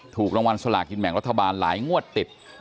ถูกรางวัลสลาคฮิตแหงงธบารหลายงวดติด